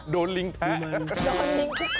ดูลิงแทะ